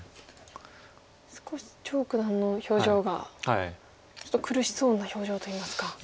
少し張九段の表情がちょっと苦しそうな表情といいますか。